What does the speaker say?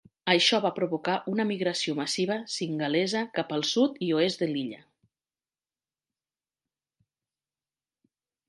Això va provocar una migració massiva singalesa cap al sud i oest de l'illa.